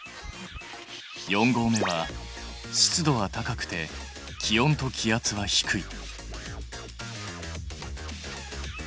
四合目は湿度は高くて気温と気圧は低い。